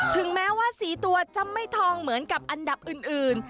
ถึงแม้ว่าสีตัวจะไม่ทองเหมือนกับอันดับอื่น